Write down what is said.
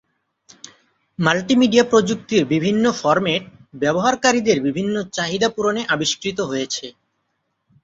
Multimedia প্রযুক্তির বিভিন্ন format ব্যবহারকারীদের বিভিন্ন চাহিদা পূরণে আবিষ্কৃত হয়েছে।